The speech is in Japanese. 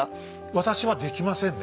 私はできませんね